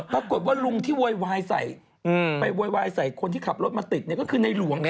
ปรากฏว่าลุงที่โวยวายใส่ไปโวยวายใส่คนที่ขับรถมาติดก็คือในหลวง